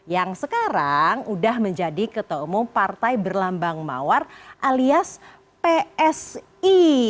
yang mau partai berlambang mawar alias psi